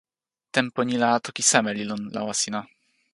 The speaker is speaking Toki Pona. tenpo ni la toki seme li lon lawa sina?